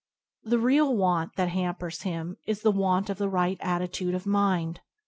The real "want" that hampers him is the want of the right atti tude of mind.